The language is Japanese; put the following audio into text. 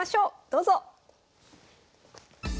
どうぞ。